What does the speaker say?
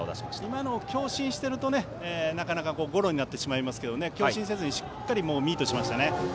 今のを強振しているとゴロになってしまいますけど強振せずしっかりミートしましたね。